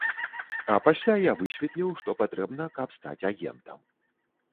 А пасля я высветліў, што патрэбна, каб стаць агентам.